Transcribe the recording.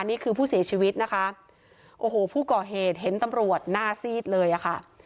นี่คือผู้เสียชีวิตนะคะโอ้โหผู้ก่อเหตุเห็นตำรวจหน้าซีดเลยอะค่ะ